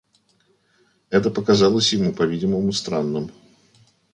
Это показалось ему, по-видимому, странным.